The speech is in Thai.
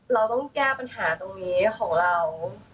เราต้องแก้ปัญหาตรงนี้ของเรา